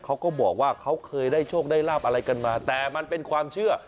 เขาก็บอกว่าเขาเคยได้โชคได้ลาบอะไรกันมาแต่มันเป็นความเชื่อ